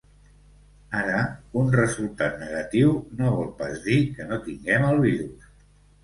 Ara, un resultat negatiu no vol pas dir que no tinguem el virus.